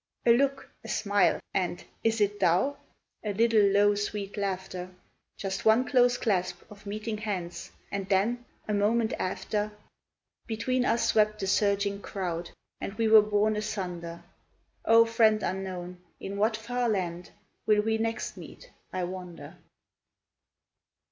A look, a smile, and " Is it thou ?" A little low, sweet laughter, Just one close clasp of meeting hands, And then, a moment after, Between us swept the surging crowd And we were borne asunder. O, friend unknown, in what far land Will we next meet, I wonder